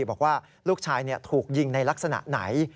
บอกว่าลูกชายถูกยิงในลักษณะไหน